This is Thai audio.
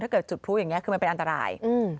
จุดพลุอย่างนี้คือมันเป็นอันตราย